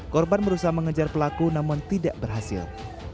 korban berusaha mengejar pelaku namun tidak berhasil